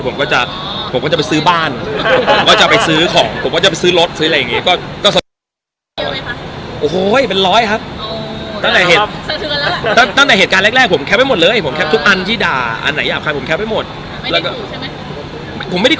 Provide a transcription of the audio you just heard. ผมก็จะผมก็จะไปซื้อบ้านผมก็จะไปซื้อของผมก็จะไปซื้อรถซื้ออะไรอย่างนี้